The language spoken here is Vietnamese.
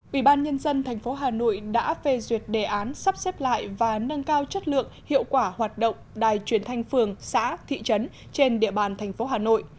ủy ban nhân dân tp hà nội đã phê duyệt đề án sắp xếp lại và nâng cao chất lượng hiệu quả hoạt động đài truyền thanh phường xã thị trấn trên địa bàn thành phố hà nội